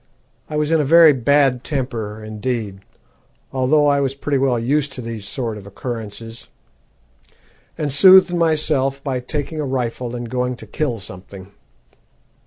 I was in a very bad temper, indeed, although I was pretty well used to these sort of occurrences, and soothed myself by taking a rifle and going to kill something.